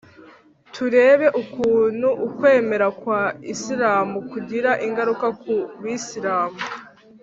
turebe ukuntu ukwemera kwa isilamu kugira ingaruka ku bisilamu